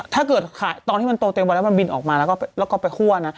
ถ้าเกิดตอนที่มันโตเต็มไปแล้วมันบินออกมาแล้วก็ไปคั่วนะ